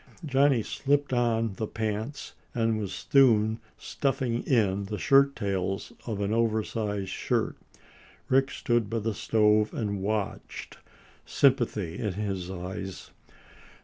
Johnny slipped on the pants and was soon stuffing in the shirt tails of the oversized shirt. Rick stood by the stove and watched, sympathy in his eyes.